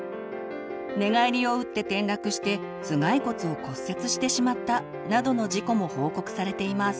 寝返りを打って転落して頭蓋骨を骨折してしまった。などの事故も報告されています。